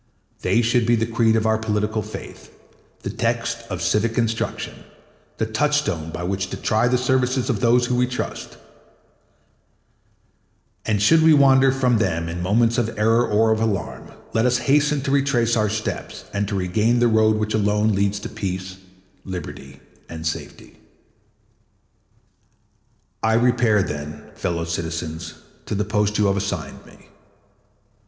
They should be the creed of our political faith, the text of civic instruction, the touchstone by which to try the services of those we trust; and should we wander from them in moments of error or of alarm, let us hasten to retrace our steps and to regain the road which alone leads to peace, liberty, and safety. 4 I repair, then, fellow citizens, to the post you have assigned me.